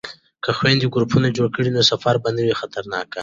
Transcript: که خویندې ګروپ جوړ کړي نو سفر به نه وي خطرناک.